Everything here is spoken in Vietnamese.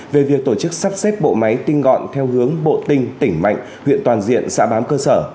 về việc tổ chức sắp xếp bộ máy tinh gọn theo hướng bộ tinh tỉnh mạnh huyện toàn diện xã bám cơ sở